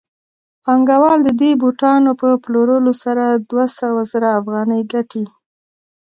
پانګوال د دې بوټانو په پلورلو سره دوه سوه زره افغانۍ ګټي